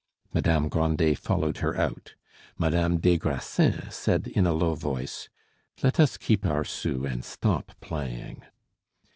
Madame Grandet followed her out. Madame des Grassins said in a low voice: "Let us keep our sous and stop playing."